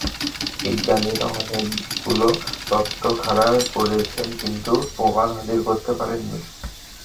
বিজ্ঞানীরা অনেকগুলো তত্ত্ব খাড়া করেছেন, কিন্তু প্রমাণ হাজির করতে পারেননি।